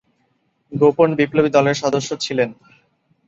গোপন বিপ্লবী দলের সদস্য ছিলেন।